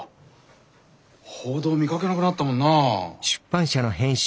報道見かけなくなったもんなあ。